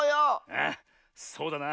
あっそうだな。